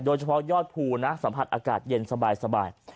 โดยเฉพาะยอดภูนะสัมผัสอากาศเย็นสบาย